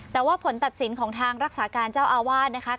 แต่ว่าผลตัดสินของทางรักษาการเจ้าอาวาสนะคะ